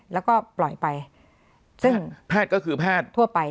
แล้วก็ปล่อยไปซึ่งแพทย์ก็คือแพทย์ทั่วไป